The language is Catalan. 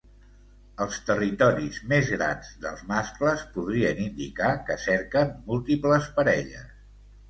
Els territoris més grans dels mascles podrien indicar que cerquen múltiples parelles.